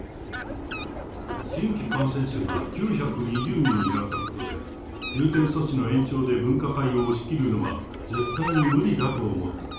新規感染者が９２０人になったことで、重点措置の延長で分科会を押し切るのは絶対に無理だと思った。